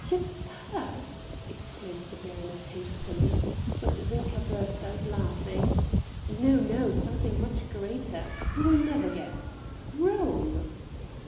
"Your purse!" exclaimed the baroness hastily. But Zinka burst out laughing. "No, no, something much greater you will never guess: Rome."